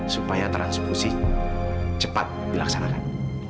supaya transpusi cepat dilaksanakan